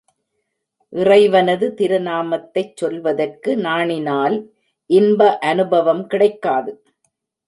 இறைவனது திருநாமத்தைச் சொல்வதற்கு நாணினால் இன்ப அநுபவம் கிடைக்காது.